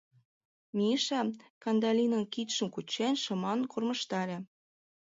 Миша, Кандалинын кидшым кучен, шыман кормыжтале.